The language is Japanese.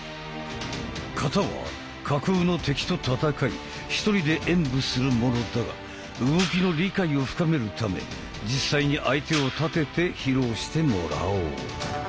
形は架空の敵と戦い１人で演武するものだが動きの理解を深めるため実際に相手を立てて披露してもらおう！